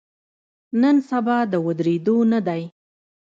نن سبا د ودریدو نه دی.